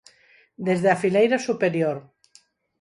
Desde a fileira superior.